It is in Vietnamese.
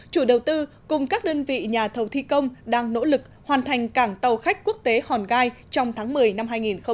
chủ đầu tư cùng các đơn vị nhà thầu thi công đang nỗ lực hoàn thành cảng tàu khách quốc tế hòn gai trong tháng một mươi năm hai nghìn hai mươi